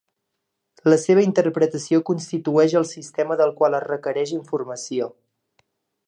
La seva interpretació constitueix el sistema del qual es requereix informació.